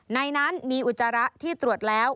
ในนั้นมีอุจจาระที่ตรวจแล้ว